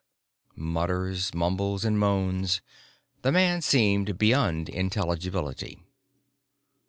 Mutters, mumbles and moans. The man seemed beyond intelligibility.